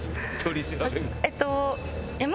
えっと。